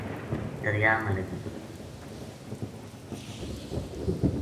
دریا ما لگی